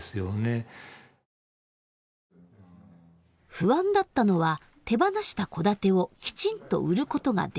不安だったのは手放した戸建てをきちんと売ることができるか。